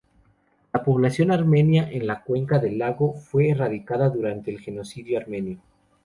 La población Armenia en la cuenca del lago fue erradicada durante el Genocidio Armenio.